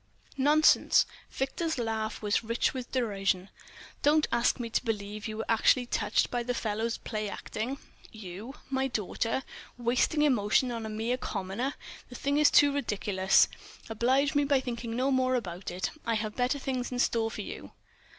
"Nonsense!" Victor's laugh was rich with derision. "Don't ask me to believe you were actually touched by the fellow's play acting. You—my daughter—wasting emotion on a mere commoner! The thing is too ridiculous. Oblige me by thinking no more about it. I have better things in store for you."